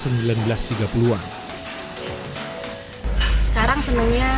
sekarang senangnya aku bisa wujudin sendiri